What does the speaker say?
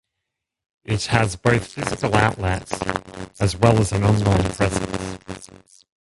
It has both physical outlets as well as an online presence.